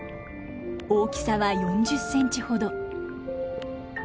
大きさは４０センチほど。